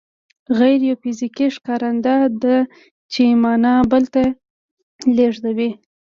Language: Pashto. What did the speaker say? غږ یو فزیکي ښکارنده ده چې معنا بل ته لېږدوي